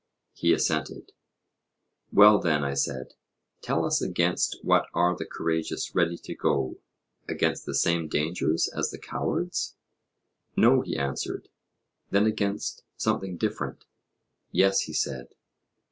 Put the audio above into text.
He assented. Well then, I said, tell us against what are the courageous ready to go against the same dangers as the cowards? No, he answered. Then against something different? Yes, he said.